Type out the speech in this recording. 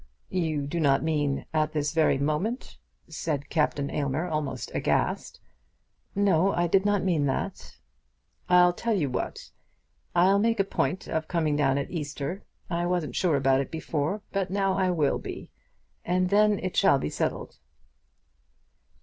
"You do not mean at this very moment?" said Captain Aylmer, almost aghast. "No; I did not mean that." "I'll tell you what. I'll make a point of coming down at Easter. I wasn't sure about it before, but now I will be. And then it shall be settled."